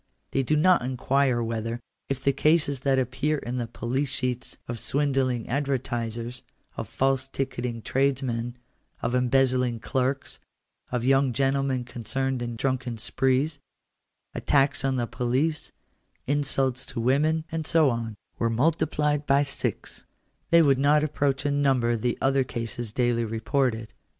They do not inquire whether, if the cases that Appear in the police sheets of swindling advertisers, of false ticketing trades men, of embezzling clerks, of young gentlemen concerned in drunken sprees, attacks on the police, insults to women, and so on, were multiplied by six, they would not approach in number the other cases daily reported.